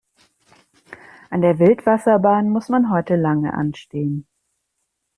An der Wildwasserbahn muss man heute lange anstehen.